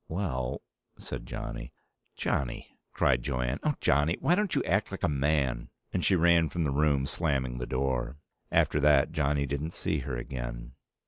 "Well " said Johnny. "Johnny!" cried Jo Anne. "Oh, Johnny! Why don't you act like a man?" And she ran from the room, slamming the door. After that, Johnny didn't see her again.